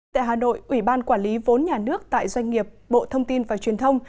tại hà nội ủy ban quản lý vốn nhà nước tại doanh nghiệp bộ thông tin và truyền thông